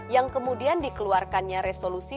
yang kemudian dikeluarkannya resolusi